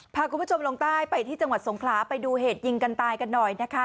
พาคุณผู้ชมลงใต้ไปที่จังหวัดสงขลาไปดูเหตุยิงกันตายกันหน่อยนะคะ